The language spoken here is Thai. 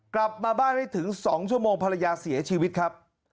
กลับมาบ้านไม่ถึง๒ชั่วโมงภรรยาเสียชีวิตครับ